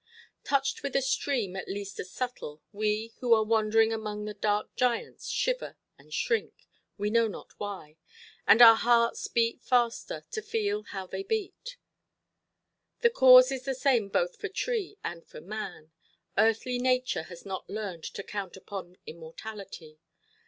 Touched with a stream at least as subtle, we, who are wandering among the dark giants, shiver and shrink, we know not why; and our hearts beat faster, to feel how they beat. The cause is the same both for tree and for man. Earthly nature has not learned to count upon immortality.